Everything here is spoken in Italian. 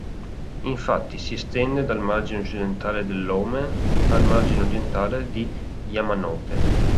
Infatti, si estende dal margine occidentale dell'Ōme al margine orientale di Yamanote.